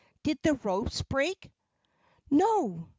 "Did the ropes break?" "No!"